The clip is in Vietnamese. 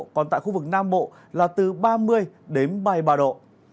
còn tại khu vực nam bộ là từ ba mươi bảy mươi ba độ